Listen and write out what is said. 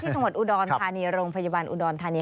ที่สมุทรอุดรธานียรงค์พยาบาลอุดรธานีย